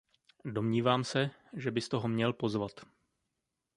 Domnívám se, že byste ho měl pozvat.